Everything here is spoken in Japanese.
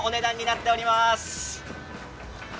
驚きの値段になっております。